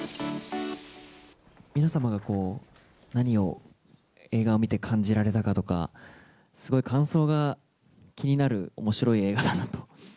皆様が何を、映画を見て感じられたかとか、すごい感想が気になるおもしろい映画だなと。